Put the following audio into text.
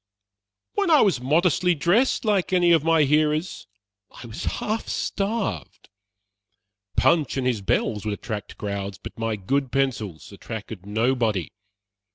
"When I was modestly dressed, like any of my hearers, I was half starved. Punch and his bells would attract crowds, but my good pencils attracted nobody.